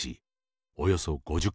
およそ５０ｋｍ。